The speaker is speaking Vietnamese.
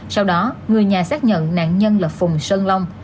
sau đó người nhà xác nhận nạn nhân là phùng sơn long